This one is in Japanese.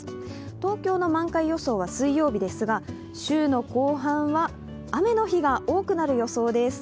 東京の満開予想は水曜日ですが、週の後半は雨の日が多くなる予想です。